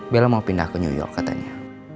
bela mau pindah ke new york katanya